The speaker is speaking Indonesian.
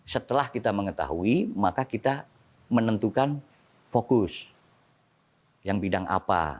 setelah kita mengetahui maka kita menentukan fokus yang bidang apa